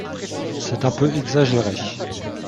C’est un peu exagéré